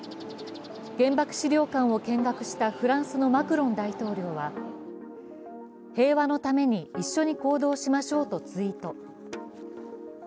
原爆資料館を見学したフランスのマクロン大統領は、平和のために一緒に行動しましょうとツイート。